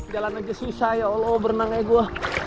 jalan aja susah ya allah berenangnya gue